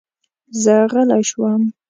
زه غلی شوم.